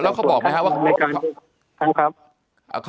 แล้วเขาบอกไหมครับว่า